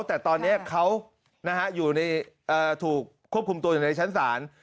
แต่ตอนนี้เขาอยู่ในถูกควบคุมตัวในชั้นศาล